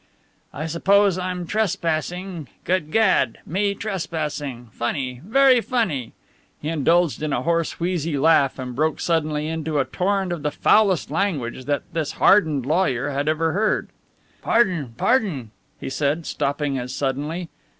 "I suppose I'm trespassing good gad! Me trespassing funny, very funny!" He indulged in a hoarse wheezy laugh and broke suddenly into a torrent of the foulest language that this hardened lawyer had ever heard. "Pardon, pardon," he said, stopping as suddenly.